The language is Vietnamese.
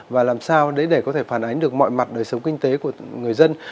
và làm sao để có thể phản ánh được mọi mặt đời sống kinh tế của người dân